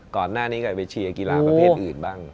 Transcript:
ก่อนหน้านี้ก็ไปเชียร์กีฬาประเภทอื่นบ้าง